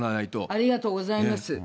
ありがとうございます。